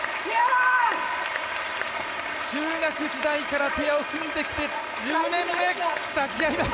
中学時代からペアを組んできて１０年目。